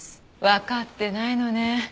わかってないのね。